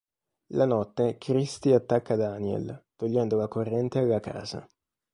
La notte, Kristi attacca Daniel, togliendo la corrente alla casa.